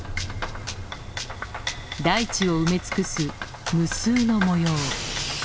大地を埋め尽くす無数の模様。